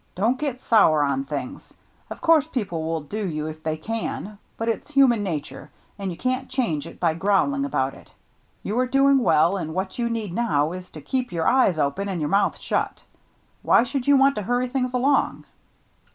Don't get sour on things. Of course people will do you if they can ; but it's human nature, and you ' can't change it by growling about it.. You are doing well, and what you need now is to keep your eyes open and your mouth shut. Why should you want to hurry things along